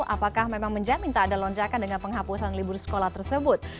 apakah memang menjamin tak ada lonjakan dengan penghapusan libur sekolah tersebut